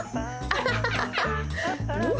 アハハハハ！